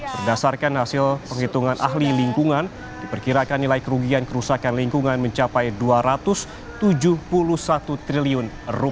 berdasarkan hasil penghitungan ahli lingkungan diperkirakan nilai kerugian kerusakan lingkungan mencapai rp dua ratus tujuh puluh satu triliun